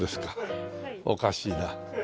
おかしいな。